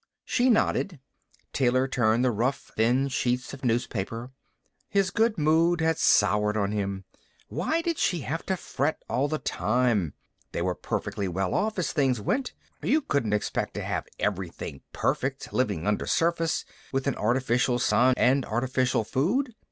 She nodded. Taylor turned the rough, thin sheets of newspaper. His good mood had soured on him. Why did she have to fret all the time? They were pretty well off, as things went. You couldn't expect to have everything perfect, living undersurface, with an artificial sun and artificial food.